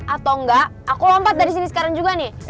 atau enggak aku lompat dari sini sekarang juga nih